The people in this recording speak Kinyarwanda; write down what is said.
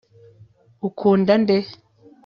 ukunda nde